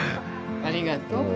ありがとう。